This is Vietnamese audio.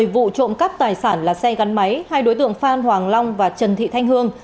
vụ trộm cắp tài sản là xe gắn máy hai đối tượng phan hoàng long và trần thị thanh hương